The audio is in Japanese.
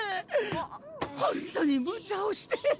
ほんとにむちゃをして！